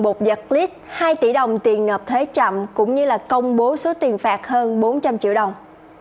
phần bột giật lix hai tỷ đồng tiền nộp thuế chậm cũng như công bố số tiền phạt hơn bốn trăm linh triệu đồng